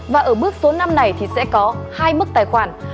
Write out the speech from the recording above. và ở bước số năm này thì sẽ có hai mức tài khoản